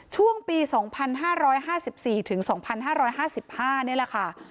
ช่วงปีสองพันห้าร้อยห้าสิบสี่ถึงสองพันห้าร้อยห้าสิบห้านี่แหละค่ะ